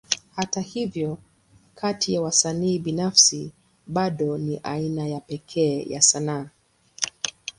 Hata hivyo, kati ya wasanii binafsi, bado ni aina ya pekee ya sanaa.